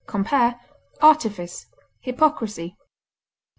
Compare ARTIFICE; HYPOCRISY.